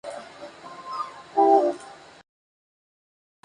Su órbita es elíptica.